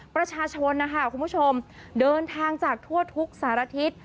ประชาชนนะคะคุณผู้ชมเดินทางจากทั่วทุกสารทิศ